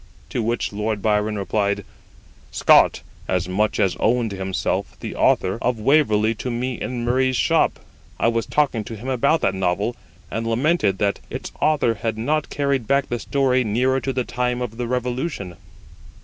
To which Lord Byron replied, 'Scott as much as owned himself the Author of Waverley to me in Murray's shop. I was talking to him about that Novel, and lamented that its Author had not carried back the story nearer to the time of the Revolution.